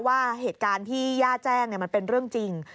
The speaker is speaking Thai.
ว่าเหตุการณ์ที่ย่าแจ้งมันเป็นเรื่องจริง